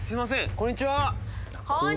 こんにちは。